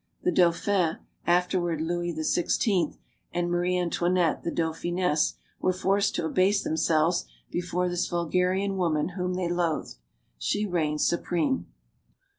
The Dauphin afterward Louis XVI. and Marie Antoinette, the Dauphiness, were forced to abase themselves before this vulgarian woman whom they loathed. She reigned supreme.